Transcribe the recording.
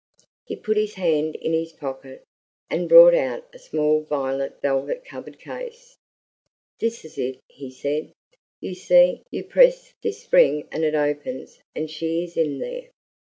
He put his hand in his pocket, and brought out a small violet velvet covered case. "This is it," he said. "You see, you press this spring and it opens, and she is in there!"